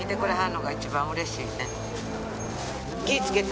気ぃつけて。